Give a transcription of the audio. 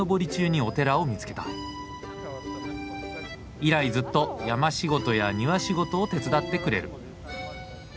以来ずっと山仕事や庭仕事を手伝ってくれる。